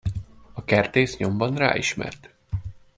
A kertész nyomban ráismert.